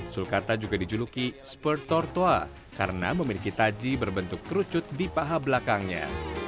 sulcata juga dijuluki spurtortua karena memiliki taji berbentuk kerucut di paha belakangnya